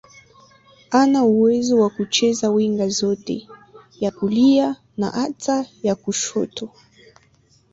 Ana uwezo wa kucheza winga zote, ya kulia na hata ya kushoto.